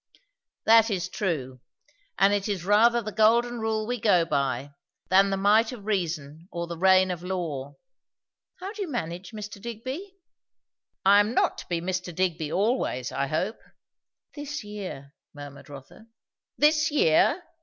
"That is true. And it is rather the Golden Rule we go by, than the might of Reason or the reign of Law." "How do you manage, Mr. Digby?" "I am not to be Mr. Digby always, I hope?" "This year " murmured Rotha. "This year!